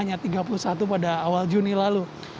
yang asalnya tiga puluh satu pada awal juni lalu